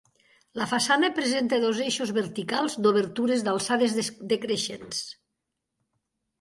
La façana presenta dos eixos verticals d'obertures d'alçades decreixents.